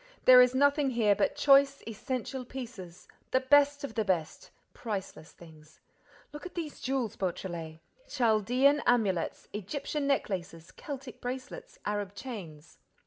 There is nothing here but choice, essential pieces, the best of the best, priceless things. Look at these jewels, Beautrelet: Chaldean amulets, Egyptian necklaces, Celtic bracelets, Arab chains.